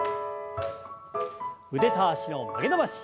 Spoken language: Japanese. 腕と脚の曲げ伸ばし。